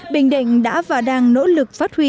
bình định đã và đang nỗ lực phát huy